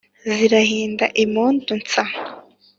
Zirahinda impundu nsa.